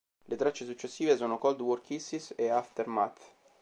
Le tracce successive sono "Cold War Kisses" e "Aftermath".